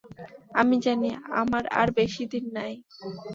আমি জানি, আমার আর বেশি দিন নাই।